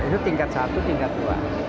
itu tingkat satu tingkat dua